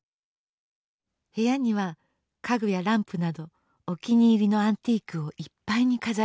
部屋には家具やランプなどお気に入りのアンティークをいっぱいに飾りました。